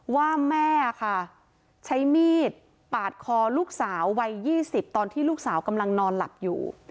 ว่าแม่ค่ะใช้มีดปาดคอลูกสาววัย๒๐ตอนที่ลูกสาวกำลังนอนหลับอยู่